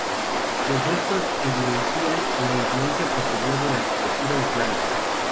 Los restos evidencian la influencia posterior de la arquitectura islámica.